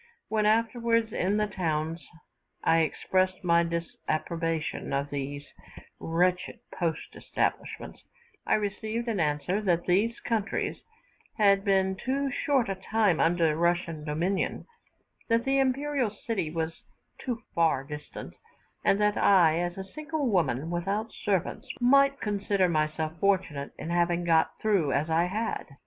When, afterwards, in the towns I expressed my disapprobation of these wretched post establishments, I received as answer that these countries had been too short a time under Russian dominion, that the imperial city was too far distant, and that I, as a single woman without servants, might consider myself fortunate in having got through as I had.